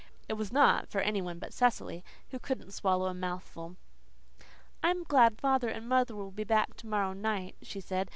It was not, for any one but Cecily, who couldn't swallow a mouthful. "I'm glad father and mother will be back to morrow night," she said.